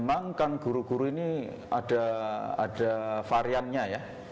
memang kan guru guru ini ada variannya ya